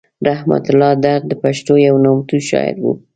رحمت الله درد د پښتنو یو نامتو شاعر و.